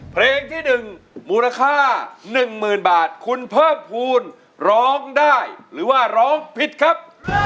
เพลงที่๑มูลค่า๑๐๐๐บาทคุณเพิ่มภูมิร้องได้หรือว่าร้องผิดครับ